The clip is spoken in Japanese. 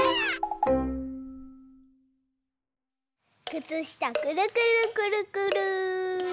くつしたくるくるくるくる。